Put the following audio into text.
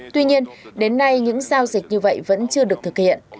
tuy nhiên đến nay những giao dịch như vậy vẫn chưa được thực hiện